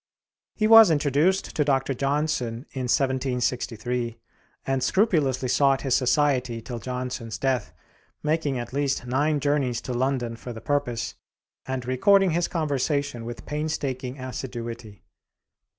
He was introduced to Dr. Johnson in 1763, and scrupulously sought his society till Johnson's death, making at least nine journeys to London for the purpose, and recording his conversation with painstaking assiduity.